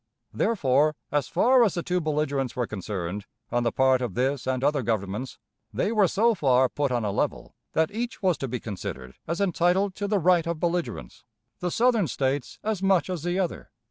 Therefore, as far as the two belligerents were concerned, on the part of this and other governments, they were so far put on a level that each was to be considered as entitled to the right of belligerents the Southern States as much as the other."